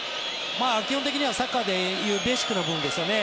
基本的にはサッカーでいうベーシックな部分ですよね。